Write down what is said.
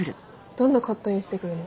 どんなカットインしてくるの？